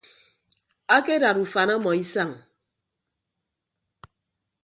Akedad ufan ọmọ isañ.